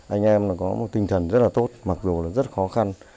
anh em có tinh thần rất tốt mặc dù rất khó khăn